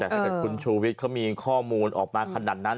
แต่ถ้าเกิดคุณชูวิทย์เขามีข้อมูลออกมาขนาดนั้น